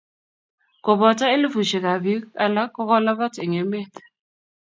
koboto elifushek ab pik alak ko kolabat eng emet